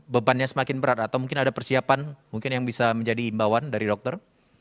bebannya semakin berat atau mungkin ada persiapan mungkin yang bisa menjadi imbauan dari dokter